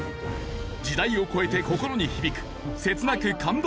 時代を超えて心に響く切なく感動的な物語です。